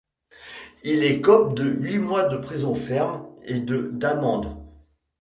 Il écope de huit mois de prison ferme et de d'amende.